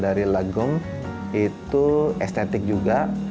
dari legong itu estetik juga